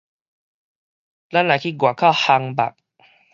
咱來去外口烘肉